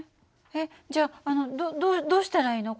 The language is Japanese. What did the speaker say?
えっじゃああのどどうしたらいいの？